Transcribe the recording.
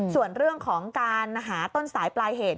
ส่วนเรื่องของการหาต้นสายปลายเหตุ